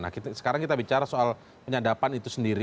nah sekarang kita bicara soal penyadapan itu sendiri